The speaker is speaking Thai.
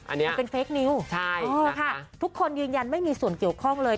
อันนี้ใช่นะคะทุกคนยืนยันไม่มีส่วนเกี่ยวข้องเลย